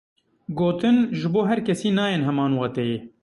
Gotin, ji bo her kesî nayên heman wateyê.